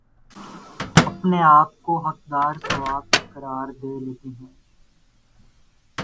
اپنے آپ کو حقدار ثواب قرار دے لیتےہیں